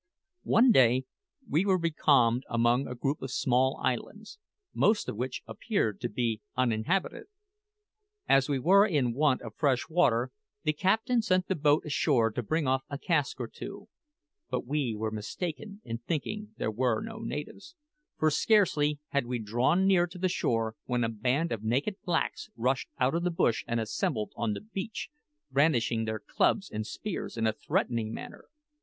One day we were becalmed among a group of small islands, most of which appeared to be uninhabited. As we were in want of fresh water, the captain sent the boat ashore to bring off a cask or two. But we were mistaken in thinking there were no natives; for scarcely had we drawn near to the shore when a band of naked blacks rushed out of the bush and assembled on the beach, brandishing their clubs and spears in a threatening manner.